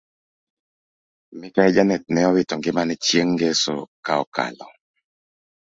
Mikai janet neowito ngimane chieng ngeso kaokalo